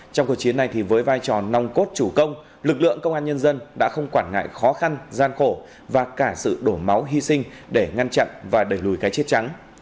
trong cuộc chiến này thì với vai trò nòng cốt chủ công lực lượng công an nhân dân đã không quản ngại khó khăn gian khổ và cả sự đổ máu hy sinh để ngăn chặn và đẩy lùi cái chết trắng